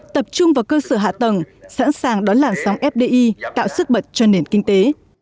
tập trung vào cơ sở hạ tầng sẵn sàng đón làn sóng fdi tạo sức bật cho nền kinh tế